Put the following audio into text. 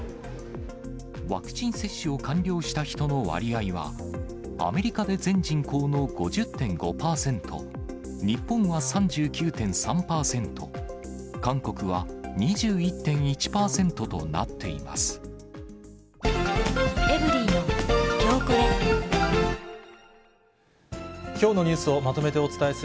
ワクチン接種を完了した人の割合は、アメリカで全人口の５０．５％、日本は３９．３％、韓国は２１．１％となっています。